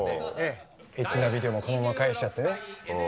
エッチなビデオもこのまま返しちゃってね。